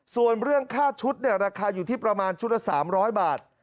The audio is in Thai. ส่วนเรื่องค่าชุดราคาอยู่ที่ประมาณชุดละ๓๐๐บาท